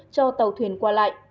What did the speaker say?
cho tàu thuyền qua lại